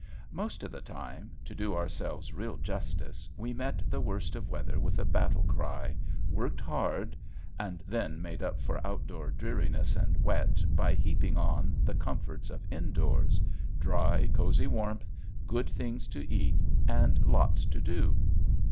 Most of the time, to do ourselves real justice, we met the worst of weather with a battle cry, worked hard, and then made up for outdoor dreariness and wet by heaping on the comforts of indoors, dry, cozy warmth, good things to eat, and lots to do.